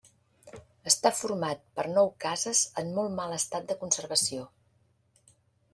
Està format per nou cases en molt mal estat de conservació.